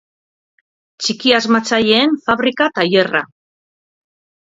Txiki asmatzaileen fabrika tailerra.